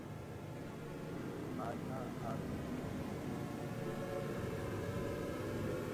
باچاۤ آۤس کہ شاباشی پا دِیت تے انعام پا دِیت